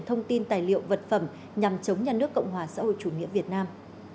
thông tin tài liệu vật phẩm nhằm chống nhà nước cộng hòa xã hội chủ nghĩa việt nam